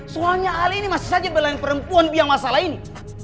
soalnya ale ini masih saja berlain perempuan biar masalah ini